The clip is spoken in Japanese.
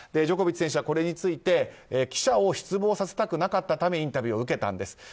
ジョコビッチ選手はこれについて記者を失望させなかったためにインタビューを受けたんです。